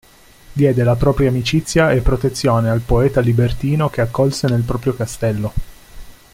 Diede la propria amicizia e protezione al poeta libertino che accolse nel proprio castello.